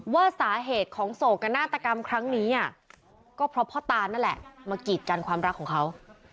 ว่าสาเหตุของโศกนาฏกรรมครั้งนี้ก็เพราะพ่อตานั่นแหละมากีดกันความรักของเขา